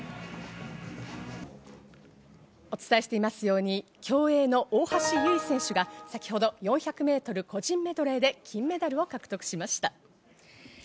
お伝えしていますように、競泳の大橋悠依選手が先ほど４００ｍ個人メドレーで金メダルを獲得しました。